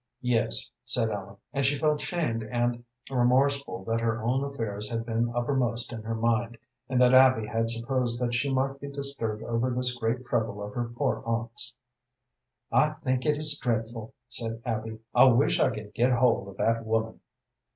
"Yes," said Ellen, and she felt shamed and remorseful that her own affairs had been uppermost in her mind, and that Abby had supposed that she might be disturbed over this great trouble of her poor aunt's. "I think it is dreadful," said Abby. "I wish I could get hold of that woman."